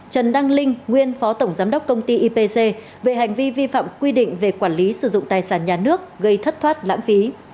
trần đăng linh nguyên phó tổng giám đốc công ty ipc về hành vi vi phạm quy định về quản lý sử dụng tài sản nhà nước gây thất thoát lãng phí